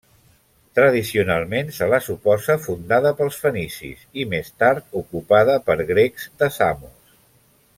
Tradicionalment se la suposa fundada pels fenicis i més tard ocupada per grecs de Samos.